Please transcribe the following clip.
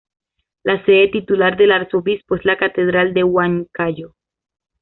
La sede titular del arzobispo es la Catedral de Huancayo.